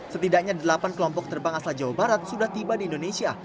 setidaknya delapan kelompok terbang asal jawa barat sudah tiba di indonesia